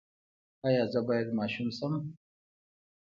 ایا زه باید ماشوم شم؟